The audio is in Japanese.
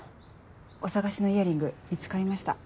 お捜しのイヤリング見つかりました。